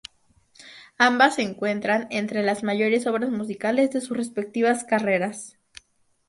Ambas se encuentran entre las mayores obras musicales de sus respectivas carreras.